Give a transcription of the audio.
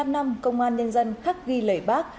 một mươi năm năm công an nhân dân khắc ghi lời bác